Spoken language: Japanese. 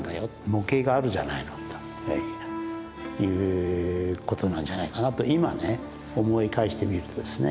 模型があるじゃないのということなんじゃないかなと今ね思い返してみるとですね。